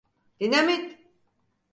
Dinamit!